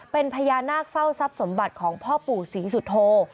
เป็นพญานาคเฝ้าทรัพย์สมบัติของพ่อปู่ศรีสุโธ